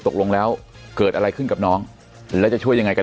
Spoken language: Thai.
ตกลงแล้วเกิดอะไรขึ้นกับน้องแล้วจะช่วยยังไงกัน